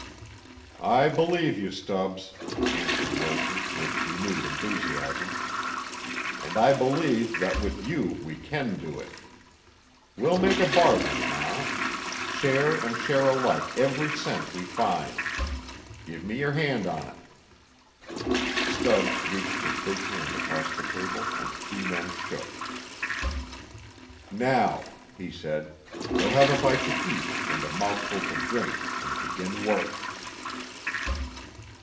"I believe you, Stubbs," answered Wilson, with renewed enthusiasm. "And I believe that with you we can do it. We'll make a bargain now; share and share alike every cent we find. Give me your hand on it." Stubbs reached his big hand across the table and the two men shook. "Now," he said, "we'll have a bite to eat and a mouthful to drink and begin work."